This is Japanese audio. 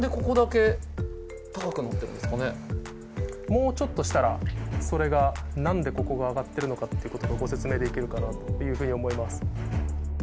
もうちょっとしたらそれが何でここが上がってるのかってことがご説明できるかなというふうに思います。